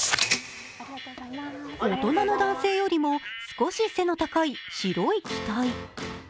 大人の男性よりも少し背の高い、白い機体。